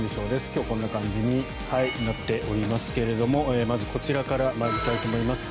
今日はこんな感じになっておりますけれどもまずこちらから参りたいと思います。